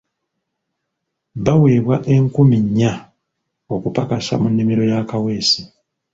Baweebwa enkumi nnya okupakasa mu nnimiro ya Kaweesi.